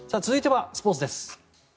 続いてはスポーツです。